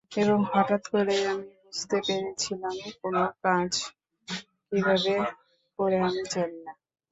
এবং হঠাৎ করেই আমি বুঝতে পেরেছিলাম কোনো কাজ কীভাবে করে আমি জানি না।